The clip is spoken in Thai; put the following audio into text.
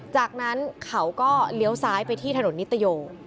จากนั้นเขาก็เลี้ยวซ้ายไปที่ถนนนิตโย